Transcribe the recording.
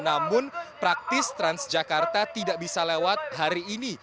namun praktis transjakarta tidak bisa lewat hari ini